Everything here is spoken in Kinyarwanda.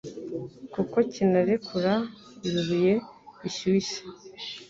kuko kinarekura ibibuye bishyushye